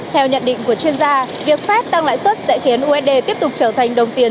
theo nhận định của chuyên gia việc phép tăng lãi suất sẽ khiến usd tiếp tục trở thành đồng tiền